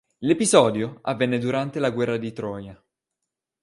L'episodio avvenne durante la Guerra di Troia.